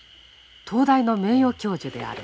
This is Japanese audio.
東大の名誉教授である。